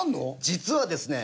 実はですね